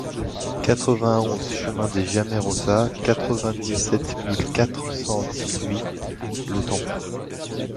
quatre-vingt-onze chemin des Jamerosas, quatre-vingt-dix-sept mille quatre cent dix-huit Le Tampon